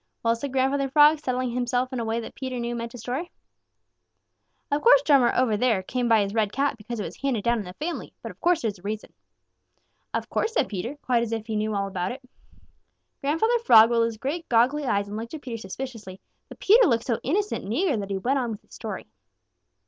"Well," said Grandfather Frog, settling himself in a way that Peter knew meant a story, "of course Drummer over there came by his red cap because it was handed down in the family, but of course there's a reason." "Of course," said Peter, quite as if he knew all about it. Grandfather Frog rolled his great, goggly eyes and looked at Peter suspiciously, but Peter looked so innocent and eager that he went on with his story.